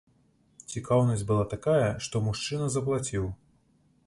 Цікаўнасць была такая, што мужчына заплаціў!